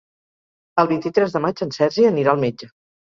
El vint-i-tres de maig en Sergi anirà al metge.